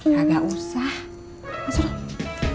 ya nggak usah masuk dong